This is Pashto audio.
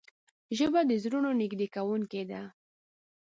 ژبه د زړونو نږدې کوونکې ده